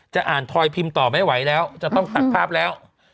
อ่านทอยพิมพ์ต่อไม่ไหวแล้วจะต้องตัดภาพแล้ว